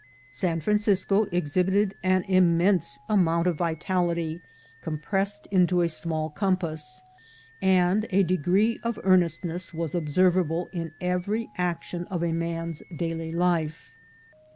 San Francisco exhibited an immense amount of vitality compressed into a small compass, and a degree of earnestness was observable in every action of a man's daily life.